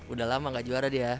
udah lama gak juara dia